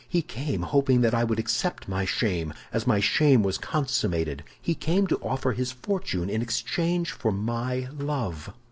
He came, hoping that I would accept my shame, as my shame was consummated; he came to offer his fortune in exchange for my love.